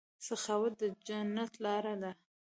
سخاوت د جنت لاره ده.